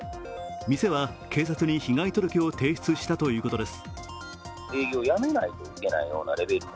店は警察に被害届を提出したということです。